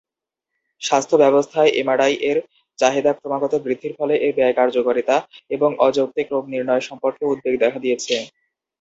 স্বাস্থ্য ব্যবস্থায় এমআরআই-এর চাহিদা ক্রমাগত বৃদ্ধির ফলে এর ব্যয় কার্যকারিতা এবং অযৌক্তিক রোগ নির্ণয় সম্পর্কে উদ্বেগ দেখা দিয়েছে।